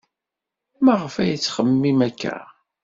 Maɣef ay tettxemmim akka?